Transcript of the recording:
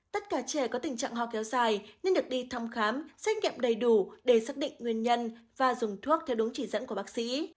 tất cả trẻ có tình trạng ho kéo dài nên được đi thăm khám xét nghiệm đầy đủ để xác định nguyên nhân và dùng thuốc theo đúng chỉ dẫn của bác sĩ